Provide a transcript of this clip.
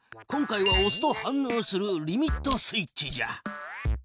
今回はおすと反のうするリミットスイッチじゃ。